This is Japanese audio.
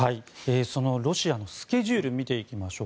ロシアのスケジュール見ていきましょう。